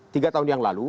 tiga tahun yang lalu